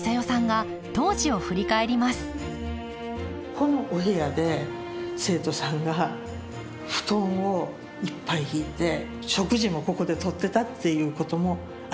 このお部屋で生徒さんが布団をいっぱい敷いて食事もここでとってたっていうこともあります。